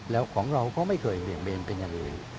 แล้วของเราก็ไม่เคยเบี่ยงเบนเป็นอย่างอื่น